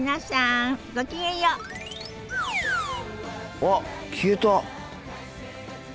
あっ消えた！